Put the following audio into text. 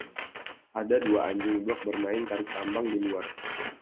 Ada dua anjing blog bermain tarik tambang di luar.